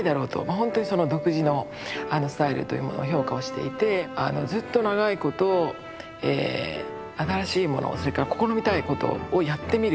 本当にその独自のスタイルというものを評価をしていてずっと長いこと新しいものをそれから試みたいことをやってみる。